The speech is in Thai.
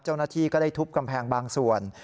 เจ้าหน้าที่ก็ได้ทุบกำแพงบางส่วน